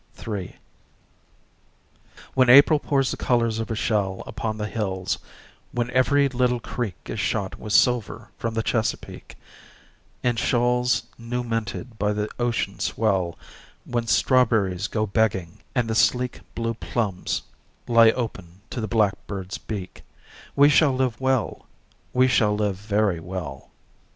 3 When April pours the colors of a shell Upon the hills, when every little creek Is shot with silver from the Chesapeake In shoals new minted by the ocean swell, When strawberries go begging, and the sleek Blue plums lie open to the blackbird's beak, We shall live well we shall live very well.